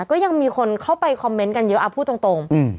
ก็ยังมีคนเข้าไปคอมเมนต์กันเยอะพูดตรง